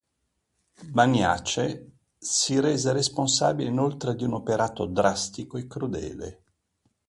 Maniace si rese responsabile inoltre di un operato drastico e crudele.